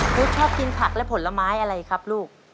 พุทธชอบกินผักและผลไม้อะไรครับลูก